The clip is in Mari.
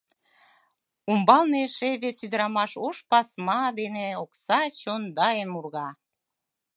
Умбалне эше вес ӱдырамаш ош пасма дене окса чондайым урга.